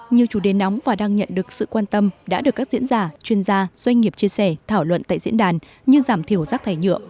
nhiều chủ đề nóng và đang nhận được sự quan tâm đã được các diễn giả chuyên gia doanh nghiệp chia sẻ thảo luận tại diễn đàn như giảm thiểu rác thải nhựa